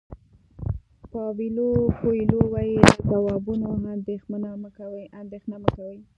پاویلو کویلو وایي له ځوابونو اندېښنه مه کوئ.